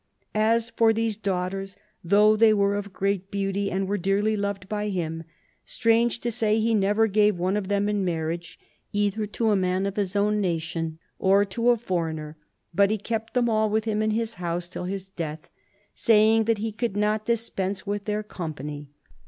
As for these daughters, though they were of great beauty and were dearly loved by him, strange to say he never gave one of them in marriage either to a man of his OLD AGE. 287 own nation or to a foreigner, but he kept them all witii him in his own house till his death, saying that he could not dispense with their company.